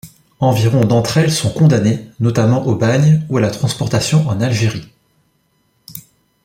Environ d'entre elles sont condamnées, notamment au bagne ou à la transportation en Algérie.